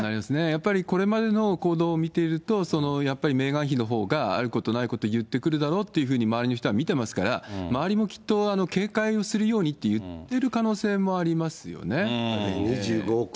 やっぱりこれまでの行動を見ていると、やっぱりメーガン妃のほうが、あることないこと言ってくるだろうというふうに、周りの人は見ていますから、周りもきっと警戒をするようにって言ってる可能性もありますよね。